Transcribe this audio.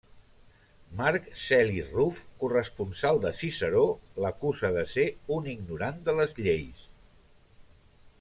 Marc Celi Ruf, corresponsal de Ciceró, l'acusa de ser un ignorant de les lleis.